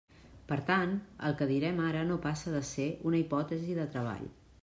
Per tant, el que direm ara no passa de ser una hipòtesi de treball.